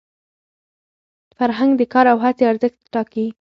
فرهنګ د کار او هڅي ارزښت ټاکي.